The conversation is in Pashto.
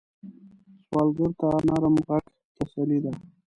سوالګر ته نرم غږ تسلي ده